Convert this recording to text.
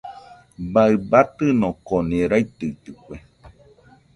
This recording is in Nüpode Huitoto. Baɨ batɨnokoni raitɨitɨkue.